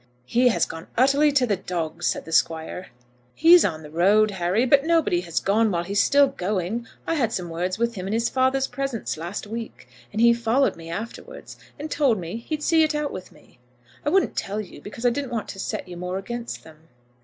"He has gone utterly to the dogs," said the Squire. "He's on the road, Harry; but nobody has gone while he's still going. I had some words with him in his father's presence last week, and he followed me afterwards, and told me he'd see it out with me. I wouldn't tell you, because I didn't want to set you more against them."